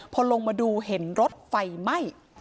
พอลงมาดูเห็นรถไฟไหม้